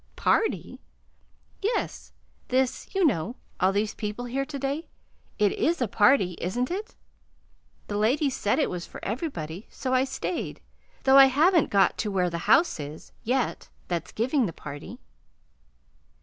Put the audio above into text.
"P party?" "Yes this, you know all these people here to day. It IS a party, isn't it? The lady said it was for everybody, so I stayed though I haven't got to where the house is, yet, that's giving the party."